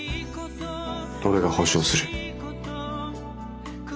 俺が保証する。